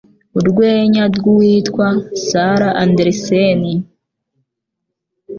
Urwenya rw'uwitwa Sarah Andersen.